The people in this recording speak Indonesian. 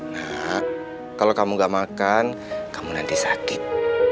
nah kalau kamu gak makan kamu nanti sakit